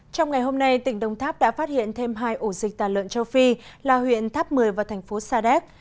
trong ngày hôm nay tỉnh đồng tháp đã phát hiện thêm hai ổ dịch tà lợn châu phi là huyện tháp một mươi và thành phố sa đéc